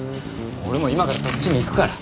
俺も今からそっちに行くから。